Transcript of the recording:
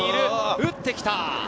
打ってきた！